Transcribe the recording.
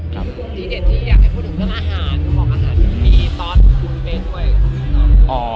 คือตรงนี้เด็ดที่อยากให้พูดถึงการอาหาร